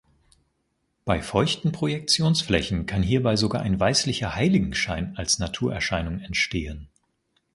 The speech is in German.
Bei feuchten Projektionsflächen kann hierbei sogar ein weißlicher Heiligenschein als Naturerscheinung entstehen.